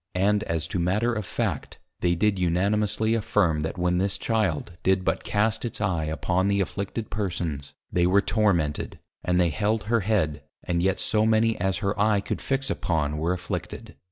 And as to matter of Fact, they did unanimously affirm, that when this Child did but cast its Eye upon the afflicted Persons, they were tormented; and they held her Head, and yet so many as her Eye could fix upon were afflicted.